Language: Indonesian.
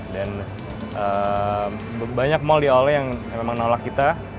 dan banyak mall di ole yang memang nolak kita